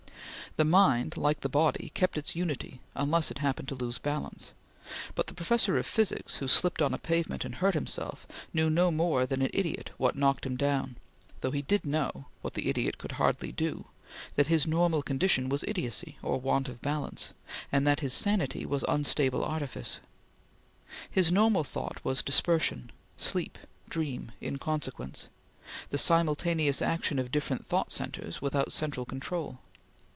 The mind, like the body, kept its unity unless it happened to lose balance, but the professor of physics, who slipped on a pavement and hurt himself, knew no more than an idiot what knocked him down, though he did know what the idiot could hardly do that his normal condition was idiocy, or want of balance, and that his sanity was unstable artifice. His normal thought was dispersion, sleep, dream, inconsequence; the simultaneous action of different thought centres without central control.